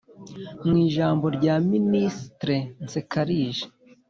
– mu ijambo rya ministre nsekalije